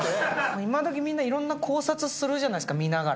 今どきみんないろんな考察するじゃないですか、見ながら。